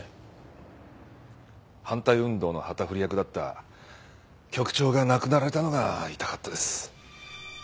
反対運動の旗振り役だった局長が亡くなられたのが痛かったです。